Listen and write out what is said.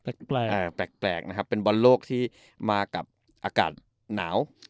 แปลกแปลกนะครับเป็นบอลโลกที่มากับอากาศหนาว